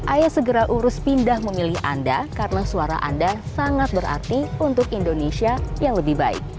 ayo segera urus pindah memilih anda karena suara anda sangat berarti untuk indonesia yang lebih baik